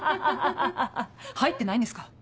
入ってないんですか？